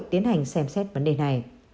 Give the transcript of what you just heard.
tiến hành xem xét vấn đề này